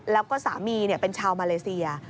แล้วก็สามีเป็นชาวมาเลเซีย